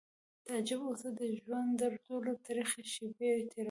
تعجب اوس د ژوند تر ټولو ترخې شېبې تېرولې